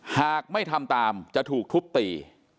หากไม่ทำตามจะถูกทุบตี